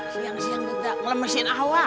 sihang sihang juga melemesin awak